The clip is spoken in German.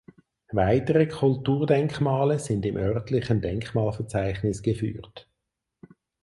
Weitere Kulturdenkmale sind im örtlichen Denkmalverzeichnis geführt.